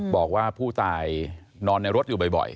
บอกว่าผู้ตายนอนในรถอยู่บ่อย